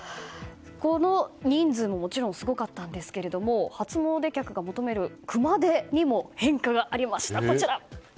この人数ももちろんすごかったんですけど初詣客が求める熊手にも変化がありました。